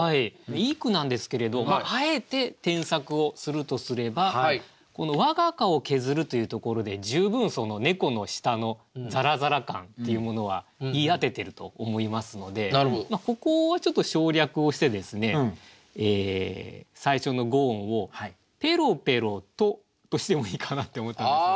いい句なんですけれどあえて添削をするとすればこの「我が顔削る」というところで十分猫の舌のザラザラ感っていうものは言い当ててると思いますのでここをちょっと省略をしてですね最初の５音を「ぺろぺろと」としてもいいかなって思ったんですね。